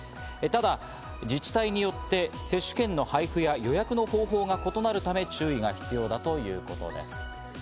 ただ自治体によって接種券の配布や予約の方法が異なるため注意が必要だということです。